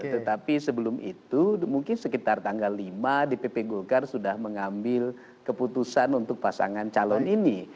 tetapi sebelum itu mungkin sekitar tanggal lima dpp golkar sudah mengambil keputusan untuk pasangan calon ini